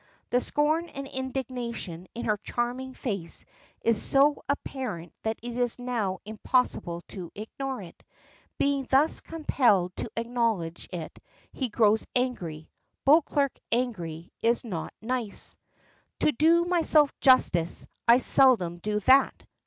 The scorn and indignation in her charming face is so apparent that it is now impossible to ignore it. Being thus compelled to acknowledge it he grows angry. Beauclerk angry is not nice. "To do myself justice, I seldom do that!"